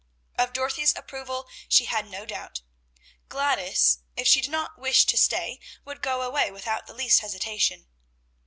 Of Dorothy's approval she had no doubt. Gladys, if she did not wish to stay, would go away without the least hesitation.